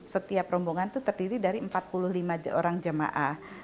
setiap rombongan itu terdiri dari empat puluh lima orang jemaah